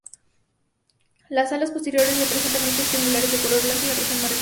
Las alas posteriores presentan manchas triangulares de color blanco en la región marginal.